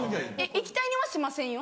液体にはしませんよ。